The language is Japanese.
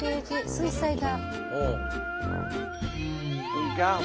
水彩画。